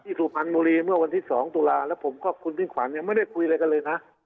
สุพรรณบุรีเมื่อวันที่๒ตุลาแล้วผมก็คุณมิ่งขวัญยังไม่ได้คุยอะไรกันเลยนะ